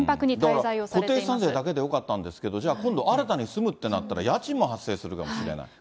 だから、固定資産税だけでよかったんですけど、今度、新たに住むってなったら、家賃も発生するかもしれない。